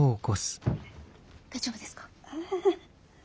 大丈夫ですか？